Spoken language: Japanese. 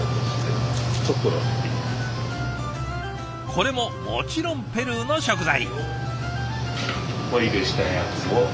これももちろんペルーの食材。